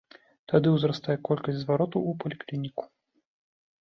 Тады ўзрастае колькасць зваротаў у паліклініку.